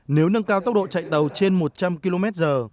nếu nâng cao tốc độ chạy tàu trên một trăm linh kmh